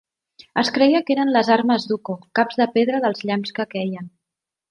Es creia que eren les armes d'Ukko, caps de pedra dels llamps que queien.